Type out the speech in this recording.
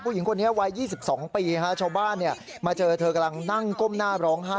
ผู้หญิงคนนี้วัยยี่สิบสองปีฮะชาวบ้านเนี่ยมาเจอเธอกำลังนั่งก้มหน้าร้องไห้